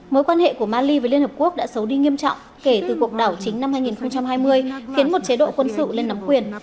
mối quan hệ của mali và liên hợp quốc đã xấu đi nghiêm trọng kể từ cuộc đảo chính năm hai nghìn hai mươi khiến một chế độ quân sự lên nắm quyền